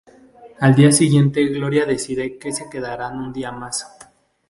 Al día siguiente Gloria decide que se quedarán un día más.